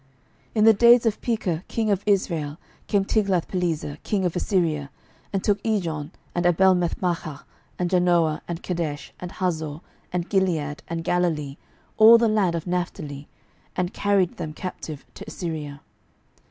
12:015:029 In the days of Pekah king of Israel came Tiglathpileser king of Assyria, and took Ijon, and Abelbethmaachah, and Janoah, and Kedesh, and Hazor, and Gilead, and Galilee, all the land of Naphtali, and carried them captive to Assyria.